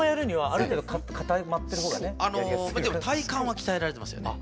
あのでも体幹は鍛えられてますよね。